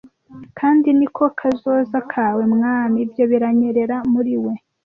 kandi ni kazoza kawe mwami ibyo biranyerera muri we